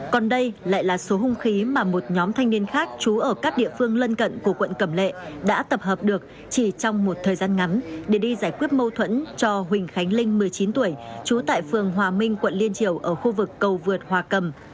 còn đây lại là số hung khí mà một nhóm thanh niên khác trú ở các địa phương lân cận của quận cẩm lệ đã tập hợp được chỉ trong một thời gian ngắn để đi giải quyết mâu thuẫn cho huỳnh khánh linh một mươi chín tuổi trú tại phường hòa minh quận liên triều ở khu vực cầu vượt hòa cầm